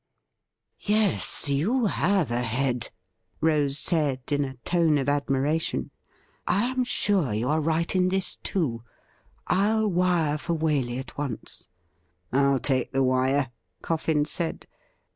' Yes, you have a head,' Rose said in a tone of admira tion. ' I am sure you are right in this, too. I'll wire for Waley at once.' ' I'll take the wire,' Coffin said.